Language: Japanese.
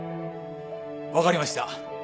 分かりました。